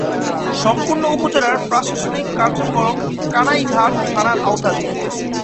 সম্পূর্ণ উপজেলার প্রশাসনিক কার্যক্রম কানাইঘাট থানার আওতাধীন।